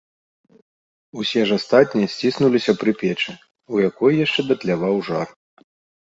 Усе ж астатнія сціснуліся пры печы, у якой яшчэ датляваў жар.